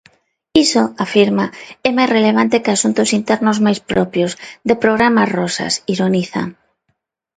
Iso, afirma, é máis relevante que asuntos internos máis propios "de programas rosas", ironiza.